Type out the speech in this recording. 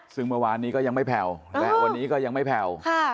ซึ่งเมื่อวานนี้ก็ยังไม่แผ่วและวันนี้ก็ยังไม่แผ่ว